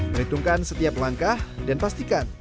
perhitungkan setiap langkah dan pastikan